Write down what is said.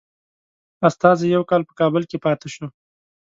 استازی یو کال په کابل کې پاته شو.